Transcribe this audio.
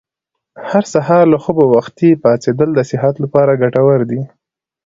هر سهار له خوبه وختي پاڅېدل د صحت لپاره ګټور دي.